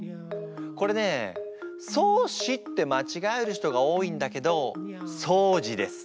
これね「そうし」ってまちがえる人が多いんだけど「そうじ」です。